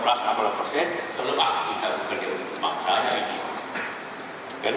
anda semua pasti tahu dan saya tahu